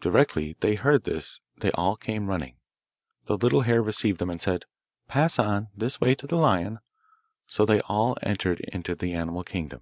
Directly they heard this they all came running. The little hare received them and said, 'Pass on, this way to the lion.' So they all entered into the Animal Kingdom.